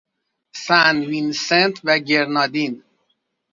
سنت وینسنت و گرنادین